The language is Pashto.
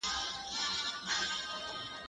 ته ولي لوبه کوې.